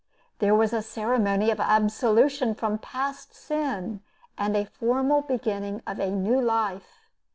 There was a ceremony of absolution from past sin, and a formal beginning of a new life.